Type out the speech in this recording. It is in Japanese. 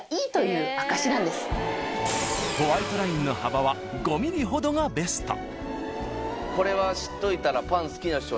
［ホワイトラインの幅は５ｍｍほどがベスト］